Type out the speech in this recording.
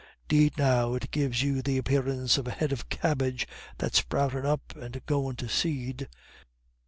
'Deed now it gives you the apparance of a head of cabbage that's sproutin' up and goin' to seed.